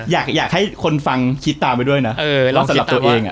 อยากให้คนฟังคิดตามไปด้วยนะเออแล้วสำหรับตัวเองอ่ะ